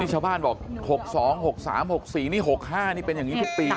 ชาวบ้านบอก๖๒๖๓๖๔นี่๖๕นี่เป็นอย่างนี้ทุกปี